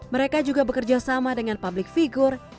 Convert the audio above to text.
mereka juga bekerja sama dengan public figure